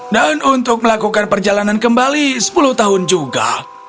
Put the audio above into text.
dan untuk melakukan perjalanan kembali sepuluh tahun juga